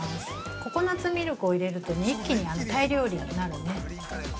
ココナッツミルクを入れると一気にタイ料理になるね。